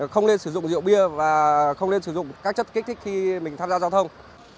không nên sử dụng rượu bia và không nên sử dụng các chất kích thích khi mình tham gia giao thông